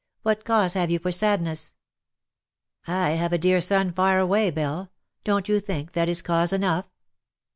What cause have you for sadness ?"" I have a dear son far away, Belle — don^t you think that is cause enough